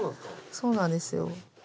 そうなんですよ。